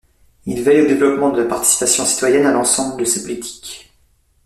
Il veille au développement de la participation citoyenne à l'ensemble de ces politiques.